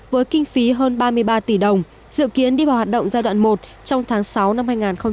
với kinh phí hơn ba mươi ba tỷ đồng dự kiến đi vào hoạt động giai đoạn một trong tháng sáu năm hai nghìn hai mươi